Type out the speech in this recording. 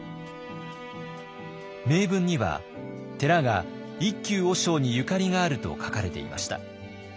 銘文には寺が一休和尚にゆかりがあると書かれていました。